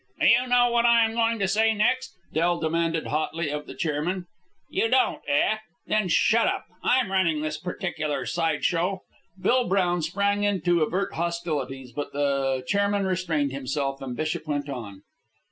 "Do you know what I am going to say next?" Del demanded hotly of the chairman. "You don't, eh? Then shut up. I'm running this particular sideshow." Bill Brown sprang in to avert hostilities, but the chairman restrained himself, and Bishop went on.